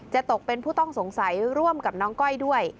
ตกเป็นผู้ต้องสงสัยร่วมกับน้องก้อยด้วย